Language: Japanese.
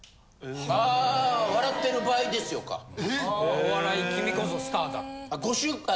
「お笑い君こそスターだ」。